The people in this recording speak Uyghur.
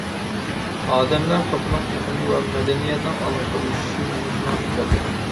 ئادەملەر توپىنىڭ ئېقىمى ۋە مەدەنىيەتنىڭ ئالماشتۇرۇلۇشى مۇشۇنىڭدىن كەلگەن.